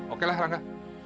oke lah rangga